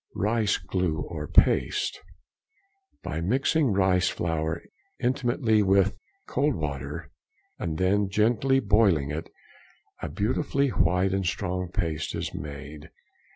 Rice glue or paste.—By mixing rice flour intimately with |170| cold water, and then gently boiling it, a beautifully white and strong paste is made.